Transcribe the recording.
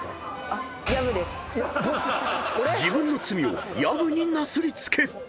［自分の罪を薮になすり付け］